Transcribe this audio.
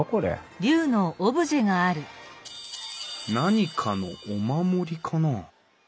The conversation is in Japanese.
何かのお守りかな？